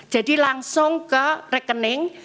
jadi langsung ke rekening